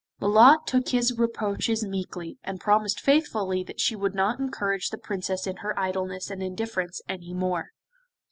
Lolotte took his reproaches meekly, and promised faithfully that she would not encourage the Princess in her idleness and indifference any more.